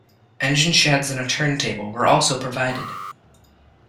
Engine sheds and a turntable were also provided.